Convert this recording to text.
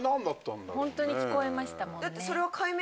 ほんとに聞こえましたもんね。